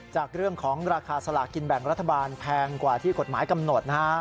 จากเรื่องของราคาสลากกินแบ่งรัฐบาลแพงกว่าที่กฎหมายกำหนดนะฮะ